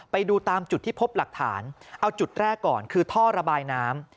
ไปดูตามจุดที่พบหลักฐานเอาจุดแรกก่อนคือท่อระบายน้ำ